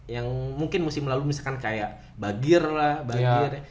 yang mungkin musim lalu misalkan kayak bagir lah banjir